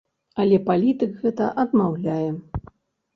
Але палітык гэта адмаўляе.